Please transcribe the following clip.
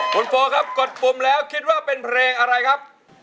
คุณโฟครับกดปุ่มแล้วคิดว่าเป็นเพลงอะไรครับ